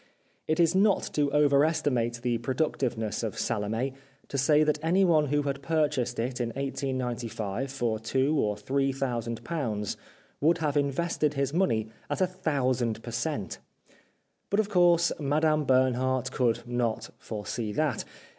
It is not to over estimate the productiveness of " Salome " to say that anyone who had pur chased it in 1895 for two or three thousand pounds would have invested his money at a thousand per cent. But, of course, Madame Bernhardt could not foresee that.